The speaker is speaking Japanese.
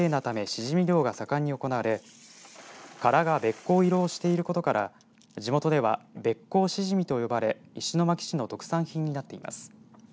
シジミ漁が盛んに行われ殻がべっ甲色をしていることから地元ではベッコウしじみと呼ばれ石巻市の特産品になっています。